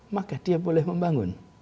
maka dia boleh membangun